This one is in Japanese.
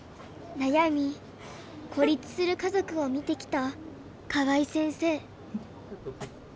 悩み孤立する家族を見てきた河合先生。